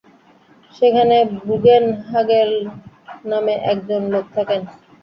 সেখানে বুগেনহাগেন নামে একজন লোক থাকেন।